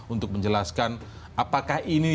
untuk menjelaskan apakah ini